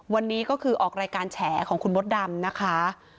วันนี้ก็คือออกรายการแฉของคุณมดดำนะคะ